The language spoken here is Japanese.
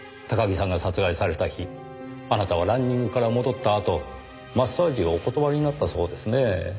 高木さんが殺害された日あなたはランニングから戻ったあとマッサージをお断りになったそうですね。